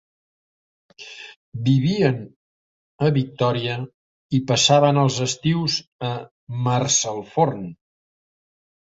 Vivien a Victoria i passaven els estius a Marsalforn.